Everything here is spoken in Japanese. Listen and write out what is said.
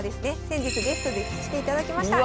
先日ゲストで来ていただきました。